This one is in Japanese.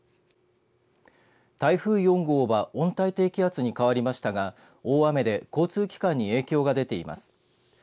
台風４号は温帯低気圧に変わりましたが大雨で交通機関に影響が出ています。